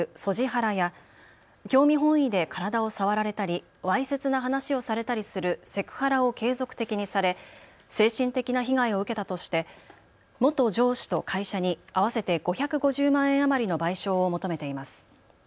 ハラや興味本位で体を触られたりわいせつな話をされたりするセクハラを継続的にされ精神的な被害を受けたとして元上司と会社に合わせて５５０万円余りの賠償を求めています。